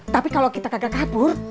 tapi kalau kita gagal kabur